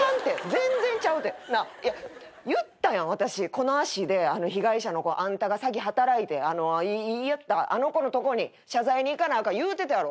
この足で被害者の子あんたが詐欺働いてやったあの子のとこに謝罪に行かなあかん言うてたやろ。